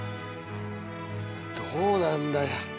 どうなんだ？